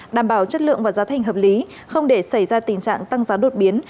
đảm bảo chất lượng và giá thành hợp lý không để xảy ra tình trạng tăng giá đột biến